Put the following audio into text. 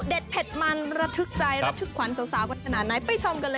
เด็ดเผ็ดมันระทึกใจระทึกควันสาวสาวกันขนาดไหนไปชมกันเลยค่ะ